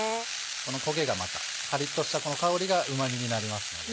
この焦げがまたカリっとしたこの香りがうまみになります。